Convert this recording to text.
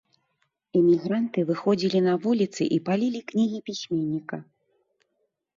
Эмігранты выходзілі на вуліцы і палілі кнігі пісьменніка.